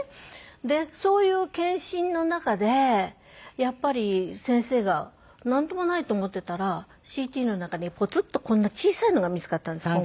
でそういう検診の中でやっぱり先生がなんともないと思っていたらＣＴの中にポツッとこんな小さいのが見つかったんです。